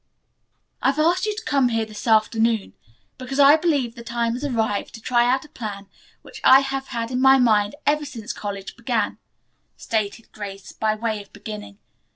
"I have asked you to come here this afternoon because I believe the time has arrived to try out a plan which I have had in my mind ever since college began," stated Grace, by way of beginning.